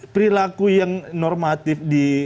perilaku yang normatif